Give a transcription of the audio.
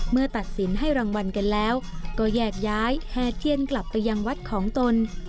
เมื่อตัดสินให้รางวัลกันแล้วก็แยกย้ายแห่เทียนกลับไปยังวัดของตน